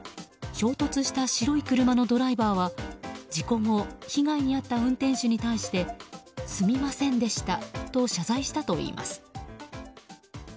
衝突した白い車のドライバーは事故後被害に遭った運転手に対してすみませんでしたと謝罪したといいます。